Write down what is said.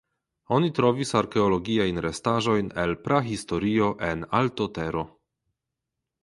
Oni trovis arkeologiajn restaĵojn el Prahistorio en Altotero.